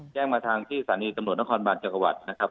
แจ้งมาทางที่ศาลีกำหนดนครบรัฐจังหวัดนะครับ